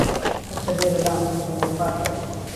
ههسته بێره لام گوڵ وه پاتهوه